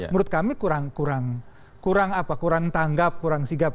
menurut kami kurang tanggap kurang sigap